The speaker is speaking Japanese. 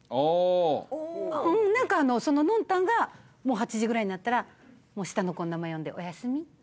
なんかそのノンタンが８時ぐらいになったら下の子の名前呼んで「おやすみ」って。